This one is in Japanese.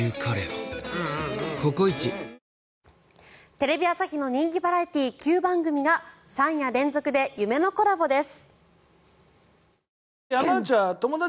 テレビ朝日の人気バラエティー９番組が３夜連続で夢のコラボです。